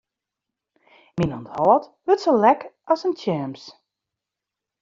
Myn ûnthâld wurdt sa lek as in tjems.